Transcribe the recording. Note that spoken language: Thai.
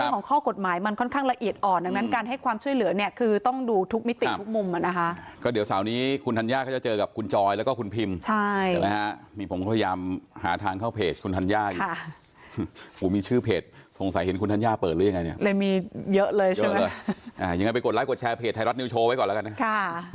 เพราะว่าเจ้าสิทธิ์ที่เขาทำจะอำนวยกับมันด้วยแล้วค่ะ